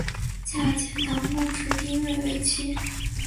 嫁钱塘贡士丁睿为妻。